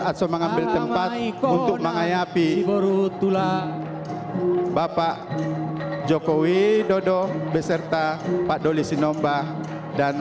atau mengambil tempat untuk mengayapi urut tulang bapak joko widodo beserta pak doli sinomba dan